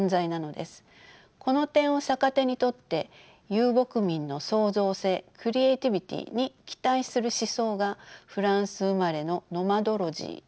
この点を逆手にとって遊牧民の創造性クリエイティビティーに期待する思想がフランス生まれの「ノマドロジー」という哲学です。